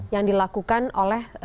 yang dilakukan oleh